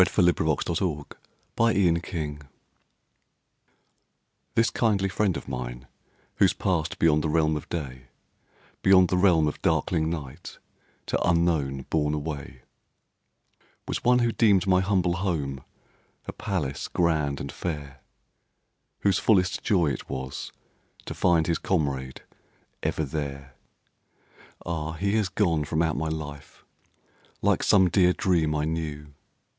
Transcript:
LORD BYRON. THE PASSING OF A DOG This kindly friend of mine who's passed Beyond the realm of day, Beyond the realm of darkling night, To unknown bourne away Was one who deemed my humble home A palace grand and fair; Whose fullest joy it was to find His comrade ever there. Ah! He has gone from out my life Like some dear dream I knew.